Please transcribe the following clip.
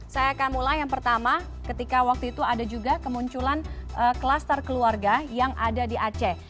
saya akan mulai yang pertama ketika waktu itu ada juga kemunculan kluster keluarga yang ada di aceh